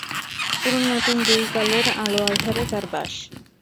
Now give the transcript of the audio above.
পুরোনো নতুন দুই কালের আলো-আঁধারে তার বাস।